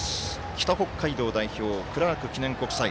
北北海道代表、クラーク記念国際。